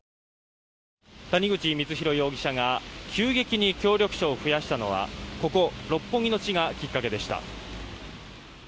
谷口光弘容疑者が急激に協力者を増やしたのはここ六本木の地がきっかけでした。